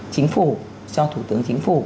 chính phủ cho thủ tướng chính phủ